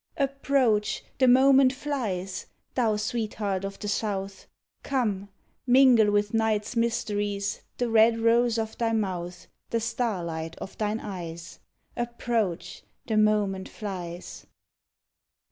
Approach! the moment flies! Thou sweetheart of the South! Come! mingle with night's mysteries The red rose of thy mouth, The starlight of thine eyes. Approach! the moment flies!